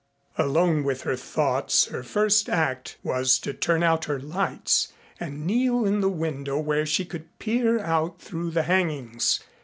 Alone with her thoughts, her first act was to turn out her lights and kneel in the window where she could peer out through the hangings.